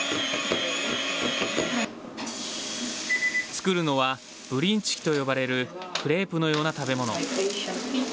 作るのは、ブリンチキと呼ばれるクレープのような食べ物。